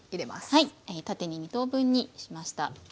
はい縦に２等分にしました。